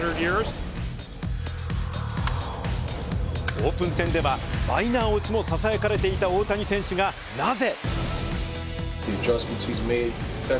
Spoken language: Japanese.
オープン戦ではマイナー落ちもささやかれていた大谷選手がなぜ？